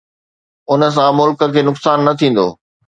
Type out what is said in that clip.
ان سان ملڪ کي نقصان نه ٿيندو؟